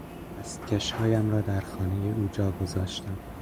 دستکش هایم را در خانهٔ او جا گذاشتم.